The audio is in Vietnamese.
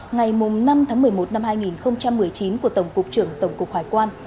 ngày năm tháng một mươi một năm hai nghìn một mươi chín của tổng cục trưởng tổng cục hải quan